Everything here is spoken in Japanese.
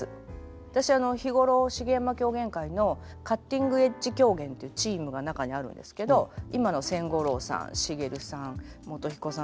私日頃茂山狂言会の「カッティングエッジ狂言」というチームが中にあるんですけど今の千五郎さん茂さん宗彦さん